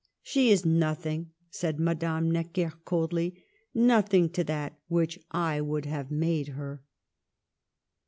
" She is nothing," said Madame Necker, coldly, " nothing to that which I would have made her."